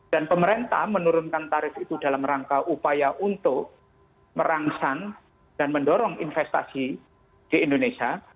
dan pemerintah menurunkan tarif itu dalam rangka upaya untuk merangsang dan mendorong investasi di indonesia